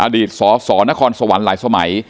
อดีตสสนครสวรรค์หลายสมัย